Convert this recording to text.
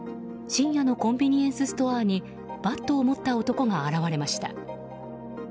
深夜のコンビニエンスストアにバットを持った男が現れました。